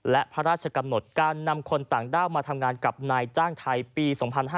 และพระราชกำหนดการนำคนต่างด้าวมาทำงานกับนายจ้างไทยปี๒๕๕๙